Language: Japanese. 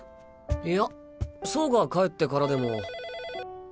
いや走が帰ってからでも。